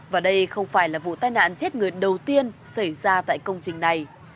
và đây không phải là vụ tai nạn chết người đầu tiên xảy ra tại công trình này